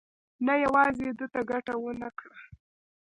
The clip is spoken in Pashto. نه یوازې ده ته ګټه ونه کړه.